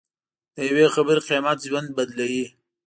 د یوې خبرې قیمت ژوند بدلوي.